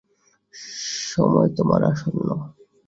সময় তোমার আসন্ন।